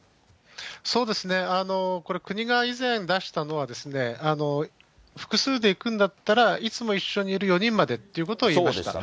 そうですね、これ、国が以前出したのは、複数で行くんだったら、いつも一緒にいる４人までということを言いました。